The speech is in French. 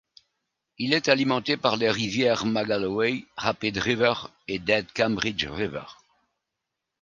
Il est alimenté par les rivières Magalloway, Rapid River et Dead Cambridge River.